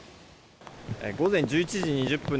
午前１１時２０分。